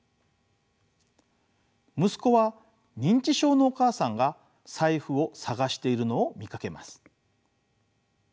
息子は認知症のお母さんが財布を探しているのを見かけます。